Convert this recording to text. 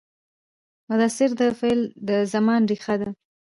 مصدر د فعل د زمان ریښه ده.